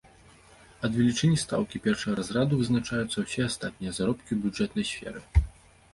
Ад велічыні стаўкі першага разраду вызначаюцца ўсе астатнія заробкі ў бюджэтнай сферы.